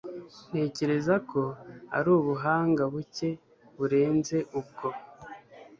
Ntekereza ko ari ubuhanga buke burenze ubwo.